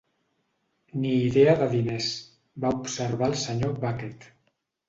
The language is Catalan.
"Ni idea de diners" va observar el senyor Bucket.